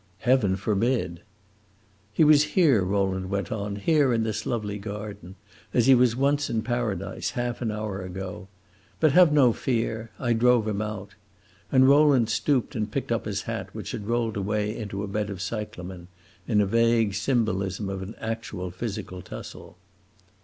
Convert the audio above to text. "Heaven forbid!" "He was here," Rowland went on, "here in this lovely garden, as he was once in Paradise, half an hour ago. But have no fear; I drove him out." And Rowland stooped and picked up his hat, which had rolled away into a bed of cyclamen, in vague symbolism of an actual physical tussle.